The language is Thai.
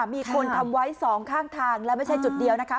มีคนทำไว้สองข้างทางและไม่ใช่จุดเดียวนะคะ